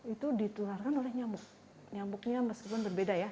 itu ditularkan oleh nyamuk nyamuknya meskipun berbeda ya